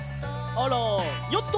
あらヨット！